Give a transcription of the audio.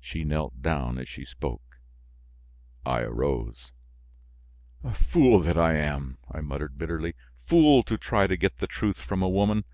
She knelt down as she spoke. I arose. "Fool that I am!" I muttered bitterly, "fool to try to get the truth from a woman!